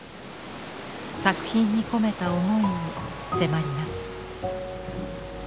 作品に込めた思いに迫ります。